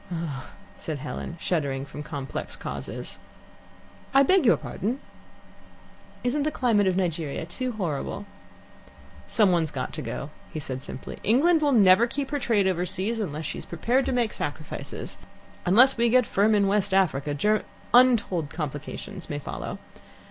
"Ugh " said Helen, shuddering from complex causes. "I beg your pardon?" "Isn't the climate of Nigeria too horrible?" "Someone's got to go," he said simply. "England will never keep her trade overseas unless she is prepared to make sacrifices. Unless we get firm in West Africa, Ger untold complications may follow.